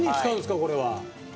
これは。